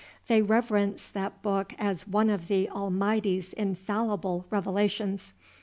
They reverence that book as one of the Almighty's infallible revelations.